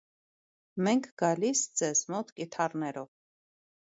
Մենք գալիս ձեզ մոտ կիթառներով։